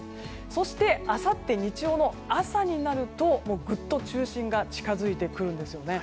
そしてあさって日曜の朝になるとぐっと中心が近づいてくるんです。